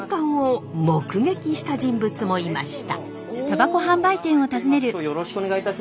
今日よろしくお願いいたします。